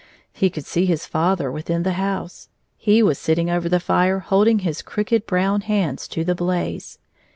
He could see his father within the house. He was sitting over the fire, holding his crooked brown hands to the blaze.